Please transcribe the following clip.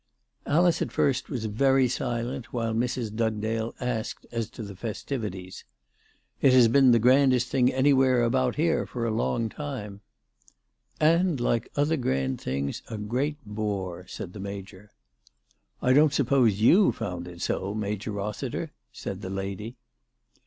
Alice at first was very silent while Mrs. Dugdale asked as to the festivities. " It has been the grandest thing anywhere about here for a long time." "And, like other grand things, a great bore," said the Major. "I don't suppose you found it so, Major Rossiter," said the lady.